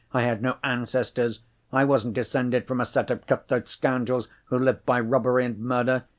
I had no ancestors. I wasn't descended from a set of cut throat scoundrels who lived by robbery and murder.